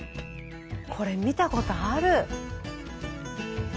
これ見たことある。